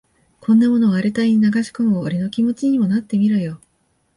こんなものを荒れた胃に流し込む俺の気持ちにもなってみろよ。